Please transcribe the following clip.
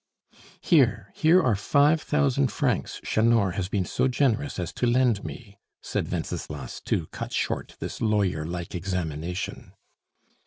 "Here here are five thousand francs Chanor has been so generous as to lend me," said Wenceslas, to cut short this lawyer like examination.